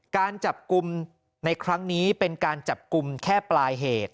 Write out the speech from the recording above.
การจับกลุ่มในครั้งนี้เป็นการจับกลุ่มแค่ปลายเหตุ